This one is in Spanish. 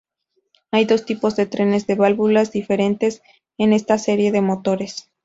Hay dos tipos de trenes de válvulas diferentes en esta serie de motores.